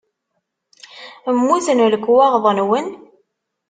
Mmuten lekwaɣeḍ-nwen?